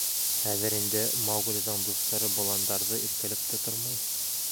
Хәҙер инде Мауглиҙың дуҫтары боландарҙы иркәләп тә тормай.